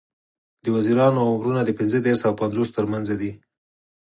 د وزیرانو عمرونه د پینځه دیرش او پینځوس تر منځ دي.